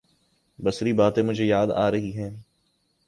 بسری باتیں مجھے یاد آ رہی ہیں۔